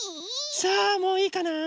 さあもういいかな。